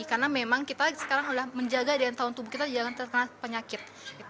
karena memang kita sekarang sudah menjaga dengan tahu tubuh kita jangan terkena penyakit